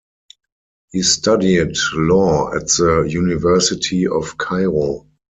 He studied law at the University of Cairo.